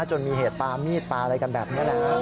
จนมีเหตุปลามีดปลาอะไรกันแบบนี้นะ